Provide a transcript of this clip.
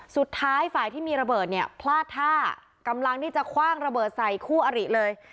สุดท้ายฝ่ายที่มีระเบิดเนี่ยพลาดท่ากำลังที่จะคว่างระเบิดใส่คู่อริเลย